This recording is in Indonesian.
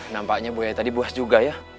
nampaknya buaya tadi buas juga ya